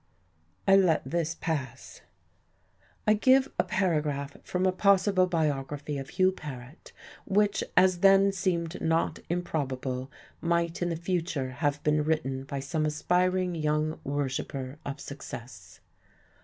I let this pass.... I give a paragraph from a possible biography of Hugh Paret which, as then seemed not improbable, might in the future have been written by some aspiring young worshipper of success.